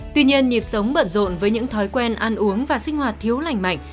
tuy nhiên nhịp sống bận rộn với những thói quen ăn uống và sinh hoạt thiếu lành mạnh